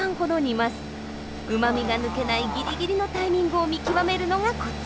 うまみが抜けないギリギリのタイミングを見極めるのがコツ。